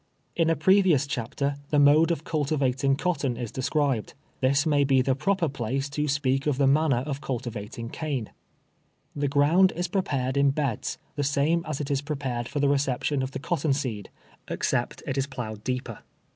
In a previous chapter the mode of cultivating cot ton is described. This may bo the proper place to Bi^eak of the manner of cultivating cane. The ground is prepared in beds, the same as it is prepared for the reception of the cotton seed, except MODE OF PLANTING CANE. 209 it is ploughed deeper.